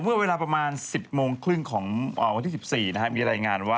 เมื่อเวลาประมาณ๑๐โมงครึ่งของวันที่๑๔มีรายงานว่า